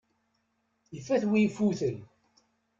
Ifat-wi ifuten.